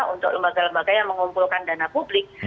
untuk lembaga lembaga yang mengumpulkan dana publik